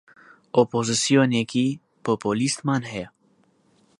ئۆپۆزسیۆنێکی پۆپۆلیستمان هەیە